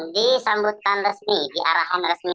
disambutkan resmi di arahan resmi